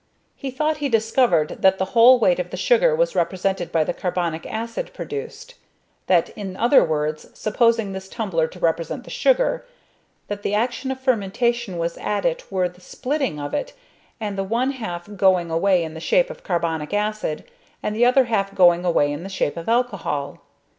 He thought he discovered that the whole weight of the sugar was represented by the carbonic acid produced; that in other words, supposing this tumbler to represent the sugar, that the action of fermentation was as it were the splitting of it, the one half going away in the shape of carbonic acid, and the other half going away in the shape of alcohol.